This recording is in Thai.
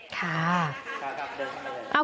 ค่ะ